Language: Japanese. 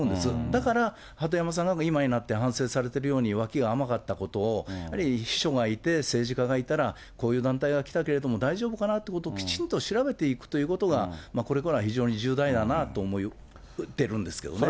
だから鳩山さんが今になって反省されてるように、脇が甘かったことを、やはり秘書がいて、政治家がいたらこういう団体が来たけれども、大丈夫かなってことをきちんと調べていくということが、これからは非常に重大だなと思ってるんですけどね。